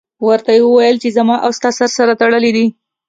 ورته یې وویل چې زما او ستا سر سره تړلی دی.